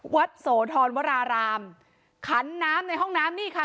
โสธรวรารามขันน้ำในห้องน้ำนี่ค่ะ